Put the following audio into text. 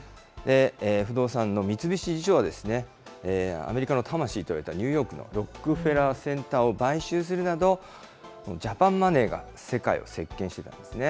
不動産の三菱地所は、アメリカの魂と言われたニューヨークのロックフェラーセンターを買収するなど、ジャパンマネーが世界を席けんしていたんですね。